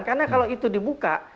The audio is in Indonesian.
karena kalau itu dibuka